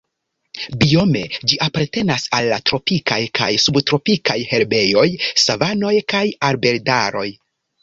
Biome ĝi apartenas al la tropikaj kaj subtropikaj herbejoj, savanoj kaj arbedaroj.